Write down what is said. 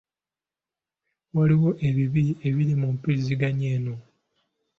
Waliwo ebibi ebiri mu mpuliziganya eno.